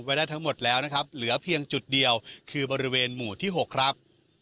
ไว้ได้ทั้งหมดแล้วนะครับเหลือเพียงจุดเดียวคือบริเวณหมู่ที่๖ครับ